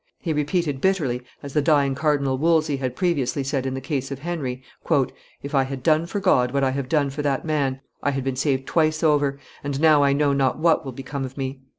He repeated bitterly, as the dying Cardinal Wolsey had previously said in the case of Henry, "If I had done for God what I have done for that man, I had been saved twice over; and now I know not what will become of me."